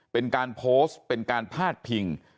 เป็นการโพสต์เป็นการพาดพิง